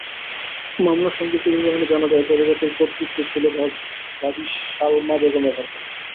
মামলার সংক্ষিপ্ত বিবরণে জানা যায়, পরিবারটির কর্তৃত্ব ছিল ভাবি সালমা বেগমের হাতে।